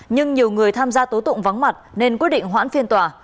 nhưng nhiều người tham gia tố tụng vắng mặt nên quyết định hoãn phiên tòa